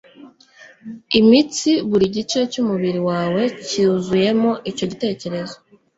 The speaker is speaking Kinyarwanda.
imitsi, buri gice cyumubiri wawe cyuzuyemo icyo gitekerezo,